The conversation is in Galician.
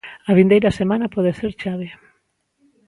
A vindeira semana pode ser chave.